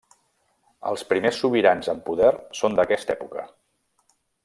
Els primers sobirans amb poder són d'aquesta època.